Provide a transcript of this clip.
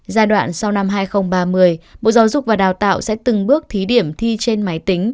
giai đoạn sau năm hai nghìn ba mươi bộ giáo dục và đào tạo sẽ từng bước thí điểm thi trên máy tính